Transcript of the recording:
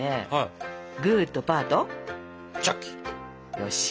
よし。